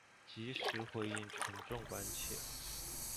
及时回应群众关切